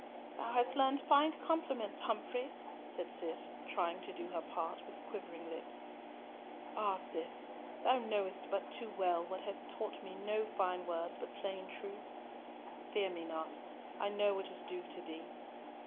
"Thou hast learnt fine compliments, Humfrey," said Cis, trying to do her part with quivering lips. "Ah, Cis! thou knowest but too well what hath taught me no fine words but plain truth. Fear me not, I know what is due to thee.